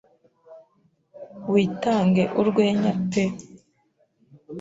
Witange urwenya pe.